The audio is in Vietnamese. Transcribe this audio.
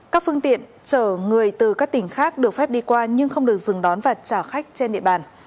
các phương tiện chở người từ các tỉnh khác được phép đi qua nhưng không được dừng đón và trả khách trên địa bàn